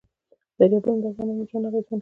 دریابونه د افغانانو ژوند اغېزمن کوي.